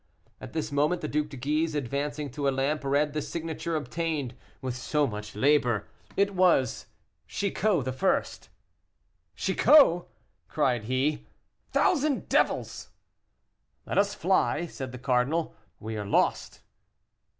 At this moment the Duc de Guise, advancing to a lamp, read the signature obtained with so much labor. It was "Chicot I." "Chicot!" cried he; "thousand devils!" "Let us fly!" said the cardinal, "we are lost."